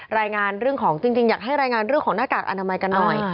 รายงานเรื่องของจริงอยากให้รายงานเรื่องของหน้ากากอนามัยกันหน่อย